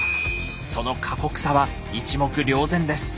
その過酷さは一目瞭然です。